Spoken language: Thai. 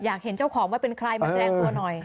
อยากเห็นเจ้าของว่าเป็นใครมาแสดงตัวหน่อย